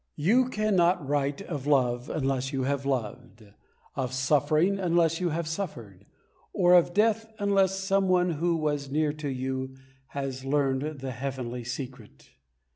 You cannot write of love unless you have loved, of suffering unless you have suffered, or of death unless some one who was near to you has learned the heavenly secret.